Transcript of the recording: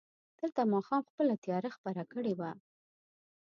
دلته ماښام خپله تياره خپره کړې وه.